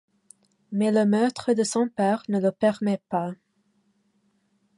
Mais le meurtre de son père ne le permet pas.